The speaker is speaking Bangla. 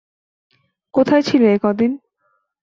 কোথায় ছিলে এ কদিন?